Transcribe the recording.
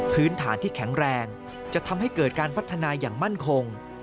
พื้นฐานที่แข็งแรงจะทำให้เกิดการพัฒนาอย่างมั่นคง